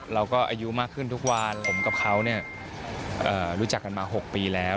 เราก็อายุมากขึ้นทุกวันผมกับเขารู้จักกันมา๖ปีแล้ว